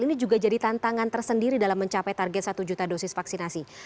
ini juga jadi tantangan tersendiri dalam mencapai target satu juta dosis vaksinasi